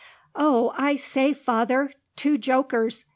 "Oh, I say, father! Two jokers!